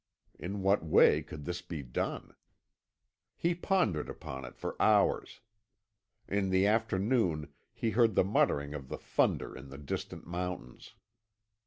In what way could this be done? He pondered upon it for hours. In the afternoon he heard the muttering of the thunder in the distant mountains.